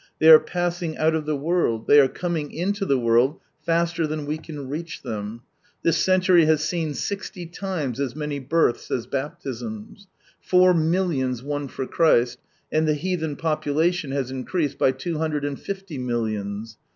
They are pa 'sing out of the world, Ihey are coming into the world faster than we can reach them. This century has seen 60 times as many births as baptisms. Four millions won for Christ, and the heathen population has increased by two hundred and fifty millions.